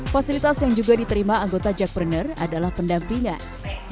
fasilitas yang juga diterima anggota job trainer adalah pendampingan